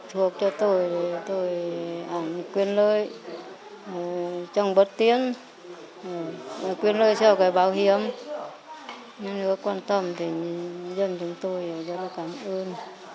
trong bất tiền quyết lợi cho bảo hiểm nếu quan tâm thì dân chúng tôi rất là cảm ơn